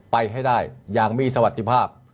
ไปให้ได้อย่างมีสวัสดิภาพ